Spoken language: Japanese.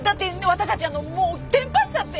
私たちあのもうテンパっちゃって！